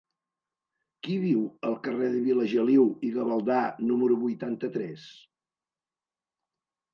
Qui viu al carrer de Vilageliu i Gavaldà número vuitanta-tres?